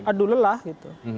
aduh lelah gitu